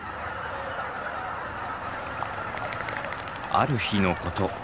ある日のこと。